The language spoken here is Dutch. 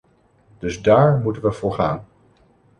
Dus daar moeten we voor gaan.